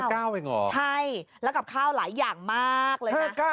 ใช่แล้วกับข้าวหลายอย่างมากเลยนะ